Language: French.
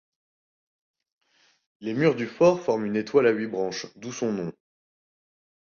Les murs du fort forment une étoile à huit branches, d'où son nom.